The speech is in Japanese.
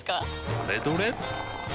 どれどれっ！